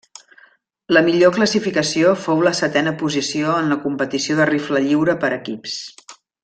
La millor classificació fou la setena posició en la competició de rifle lliure per equips.